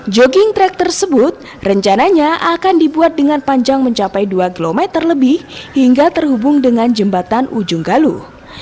jogging track tersebut rencananya akan dibuat dengan panjang mencapai dua km lebih hingga terhubung dengan jembatan ujung galuh